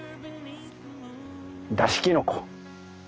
だしきのこ。